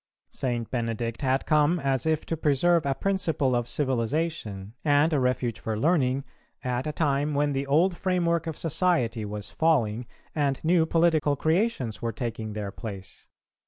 St. Benedict had come as if to preserve a principle of civilization, and a refuge for learning, at a time when the old framework of society was falling, and new political creations were taking their place.